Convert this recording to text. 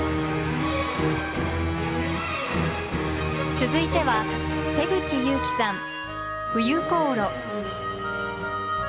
続いては瀬口侑希さん「冬航路」。